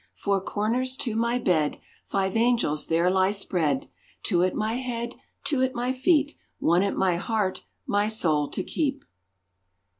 Four corners to my bed, Five angels there lie spread; Two at my head, Two at my feet, One at my heart, my soul to keep.